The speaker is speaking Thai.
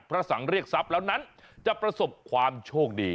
พระสังเรียกทรัพย์แล้วนั้นจะประสบความโชคดี